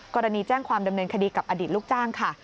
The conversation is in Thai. กรณีแจ้งความดำเนินคดีกับอดีตลูกจ้างค่ะ